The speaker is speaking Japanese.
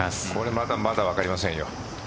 まだまだ分かりませんよ。